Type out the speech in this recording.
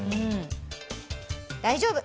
大丈夫！